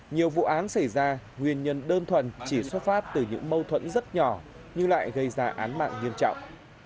nhiều vụ án xảy ra nguyên nhân đơn thuần chỉ xuất phát từ những mâu thuẫn rất nhỏ nhưng lại gây ra án mạng nghiêm trọng